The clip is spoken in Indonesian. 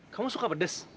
kamu suka pedas